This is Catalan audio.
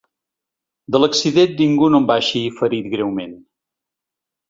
De l’accident, ningú no en va eixir ferit greument.